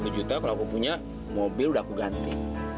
dua puluh juta kalau aku punya mobil udah aku ganti